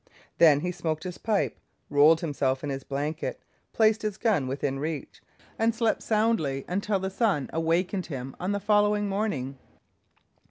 Then he smoked his pipe, rolled himself in his blanket, placed his gun within reach, and slept soundly until the sun awakened him on the following morning.